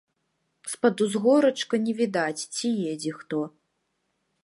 З-пад узгорачка не відаць, ці едзе хто.